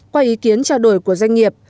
qua ý kiến trao đổi của doanh nghiệp